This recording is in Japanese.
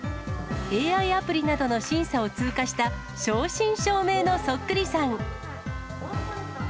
ＡＩアプリなどの審査を通過した、正真正銘のそっくりさん。